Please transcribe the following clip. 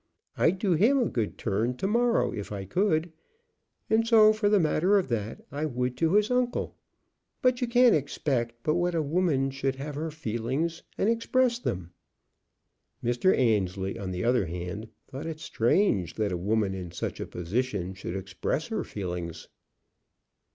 I'd do him a good turn to morrow if I could; and so, for the matter of that, I would to his uncle. But you can't expect but what a woman should have her feelings and express them." Mr. Annesley, on the other hand, thought it strange that a woman in such a position should express her feelings.